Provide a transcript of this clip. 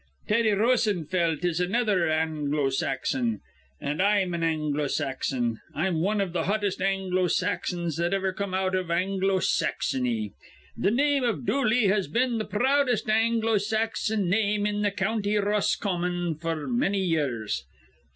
Teddy Rosenfelt is another Anglo Saxon. An' I'm an Anglo Saxon. I'm wan iv th' hottest Anglo Saxons that iver come out iv Anglo Saxony. Th' name iv Dooley has been th' proudest Anglo Saxon name in th' County Roscommon f'r many years.